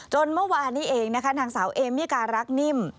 จนเมื่อวานนี้เองทางสาวเอมิการรักนิ่ม